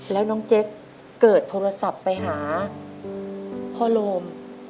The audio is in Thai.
แล้วน้องเจ๊กเกิดโทรศัพท์ไปหาพ่อโรม